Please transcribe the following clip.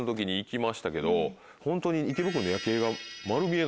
ホントに。